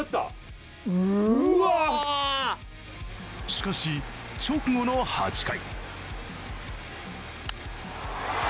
しかし、直後の８回。